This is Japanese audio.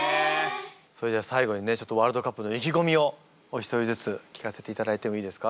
それでは最後にねワールドカップの意気込みをお一人ずつ聞かせていただいてもいいですか？